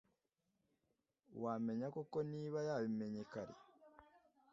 wamenya koko niba yabimenye kare?